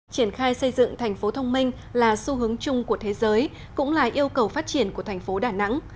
triển khai xây dựng thành phố thông minh là xu hướng chung của thế giới cũng là yêu cầu phát triển của thành phố đà nẵng